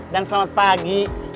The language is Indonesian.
dan selamat pagi